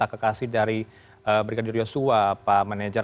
kekasih dari brigadir yusuf wa pak manager